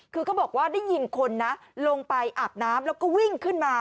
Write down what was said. คือเขาบอกว่าได้ยินคนนะลงไปอาบน้ำแล้วก็วิ่งขึ้นมา